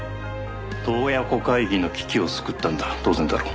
洞爺湖会議の危機を救ったんだ当然だろう。